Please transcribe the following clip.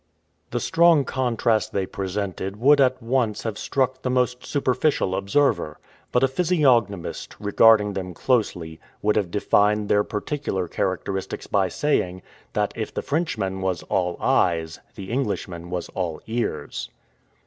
The strong contrast they presented would at once have struck the most superficial observer; but a physiognomist, regarding them closely, would have defined their particular characteristics by saying, that if the Frenchman was "all eyes," the Englishman was "all ears."